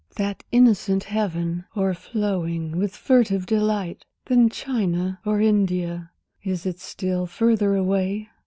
That innocent heaven o'erflowing with furtive delight, Than China or India, is it still further away?